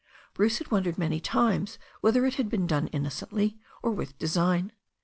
Bruce had won dered many times whether it had been done innocently or with design.